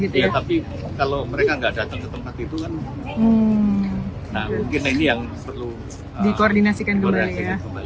tapi kalau mereka tidak datang ke tempat itu mungkin ini yang perlu dikoordinasikan kembali